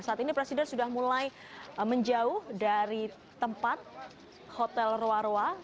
saat ini presiden sudah mulai menjauh dari tempat hotel roa roa